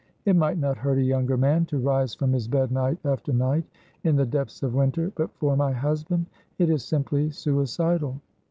It might not hurt a younger man to rise from his bed night after night in the depths of winter, but for my husband it is simply suicidal.